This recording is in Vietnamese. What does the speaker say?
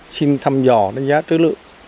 xin thăm dò đánh giá chữ lượng